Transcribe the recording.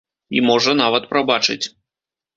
І можа, нават прабачыць.